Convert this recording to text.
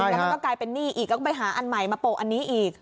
แล้วมันก็กลายเป็นหนี้อีกก็ต้องไปหาอันใหม่มาโปะอันนี้อีก